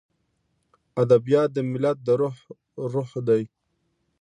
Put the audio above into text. ادبیات د ملت د روح روح دی.